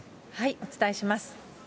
お伝えします。